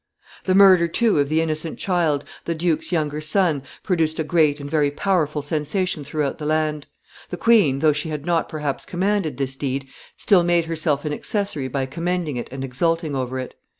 ] The murder, too, of the innocent child, the duke's younger son, produced a great and very powerful sensation throughout the land. The queen, though she had not, perhaps, commanded this deed, still made herself an accessory by commending it and exulting over it.